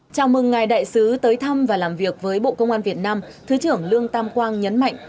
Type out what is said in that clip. chào mừng ngài đại sứ tới thăm và làm việc với bộ công an việt nam thứ trưởng lương tam quang nhấn mạnh